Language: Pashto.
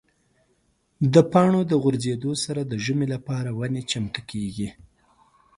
د پاڼو د غورځېدو سره د ژمي لپاره ونې چمتو کېږي.